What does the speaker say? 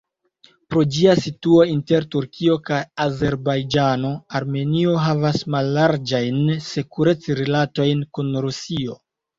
Pro ĝia situo inter Turkio kaj Azerbajĝano, Armenio havas mallarĝajn sekurec-rilatojn kun Rusio.